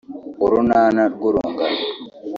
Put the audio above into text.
Urunana rw’Urungano